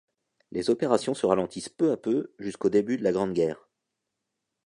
Les opérations se ralentissent peu à peu jusqu’au début de la Grande Guerre.